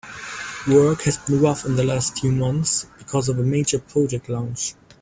Work has been rough in the last few months because of a major project launch.